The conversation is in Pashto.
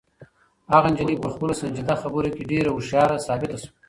هغه نجلۍ په خپلو سنجیده خبرو کې ډېره هوښیاره ثابته شوه.